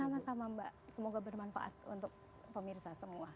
sama sama mbak semoga bermanfaat untuk pemirsa semua